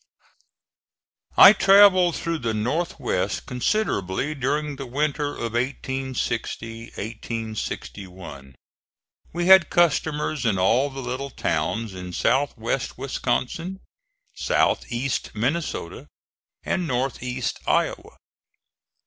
I travelled through the Northwest considerably during the winter of 1860 1. We had customers in all the little towns in south west Wisconsin, south east Minnesota and north east Iowa.